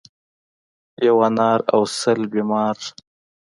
ـ یو انار او سل بیمار.